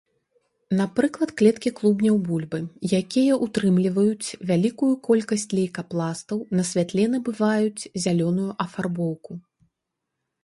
Напрыклад, клеткі клубняў бульбы, якія ўтрымліваюць вялікую колькасць лейкапластаў, на святле набываюць зялёную афарбоўку.